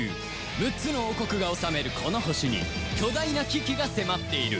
６つの王国が治めるこの星に巨大な危機が迫っている